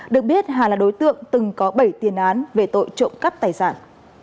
được biết hà là đối tượng từng có bảy tiền án về tội trộm cắp tài sản